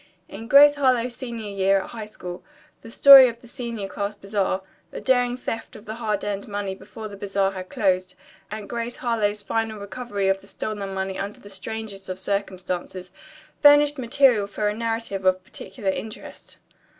In "Grace Harlowe's Senior Year at High School" the story of the senior class bazaar, the daring theft of their hard earned money before the bazaar had closed, and Grace Harlowe's final recovery of the stolen money under the strangest of circumstances, furnished material for a narrative of particular interest.